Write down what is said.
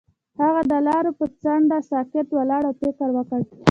هغه د لاره پر څنډه ساکت ولاړ او فکر وکړ.